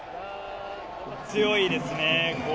強いですね。